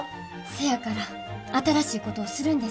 せやから新しいことをするんです。